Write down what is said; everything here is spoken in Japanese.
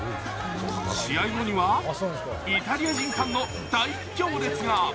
試合後にはイタリア人ファンの大行列が。